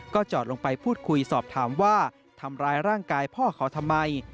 จอดลงไปพูดคุยสอบถามว่าทำร้ายร่างกายพ่อเขาทำไม